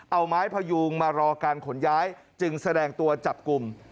เอาไม้พยูงมารอการขนย้ายจึงแสดงตัวจับกลุ่ม